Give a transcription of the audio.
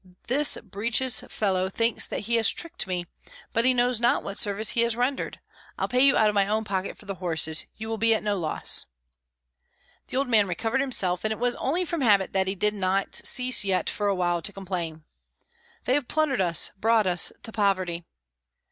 This breeches fellow thinks that he has tricked me, but he knows not what service he has rendered. I'll pay you out of my own pocket for the horses; you will be at no loss." The old man recovered himself, and it was only from habit that he did not cease yet for a while to complain, "They have plundered us, brought us to poverty!"